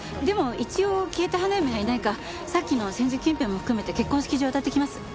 でも一応消えた花嫁がいないかさっきの千住近辺も含めて結婚式場を当たってきます。